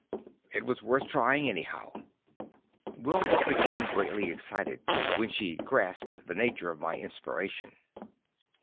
It was worth trying anyhow. Wilma became greatly excited, too, when she grasped the nature of my inspiration.